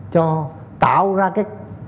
cho tạo ra cái